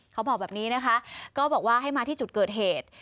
เขาบอกแบบนี้นะคะก็บอกว่าให้มาที่จุดเกิดเหตุ